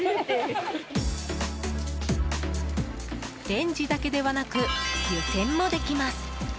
レンジだけではなく湯せんもできます。